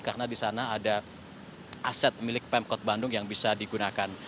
karena di sana ada aset milik pemkot bandung yang bisa digunakan